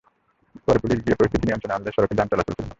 পরে পুলিশ গিয়ে পরিস্থিতি নিয়ন্ত্রণে আনলে সড়কে যান চলাচল শুরু হয়।